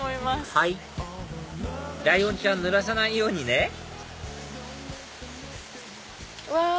はいライオンちゃんぬらさないようにねうわ！